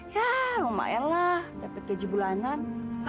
ya lumayanlah dapet gaji bulanan